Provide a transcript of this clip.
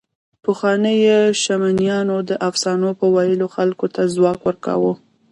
پخوانيو شمنیانو د افسانو په ویلو خلکو ته ځواک ورکاوه.